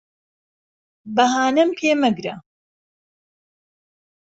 بههانەم پێ مهگره